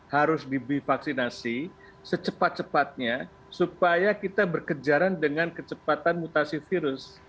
harus divaksinasi secepat cepatnya supaya kita berkejaran dengan kecepatan mutasi virus